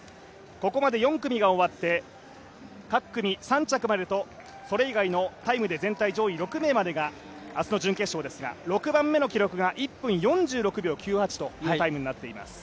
ここまで４組が終わって、各組３着までと、それ以外のタイムで全体上位６名までが明日の準決勝ですが６番目の記録が１分４６秒９８というタイムになっています。